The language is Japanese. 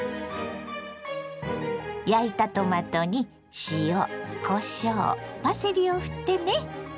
焼いたトマトに塩こしょうパセリをふってね。